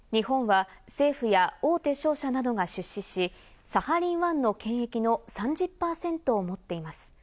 日本は政府や大手商社などが出資し、サハリン１の権益の３０％を持っています。